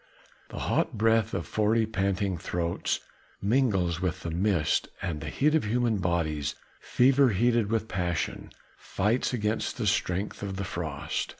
The hot breath of forty panting throats mingles with the mist, and the heat of human bodies fever heated with passion, fights against the strength of the frost.